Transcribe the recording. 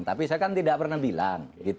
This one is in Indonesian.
tapi saya kan tidak pernah bilang